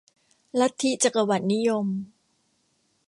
ลัทธิจักรวรรดินิยม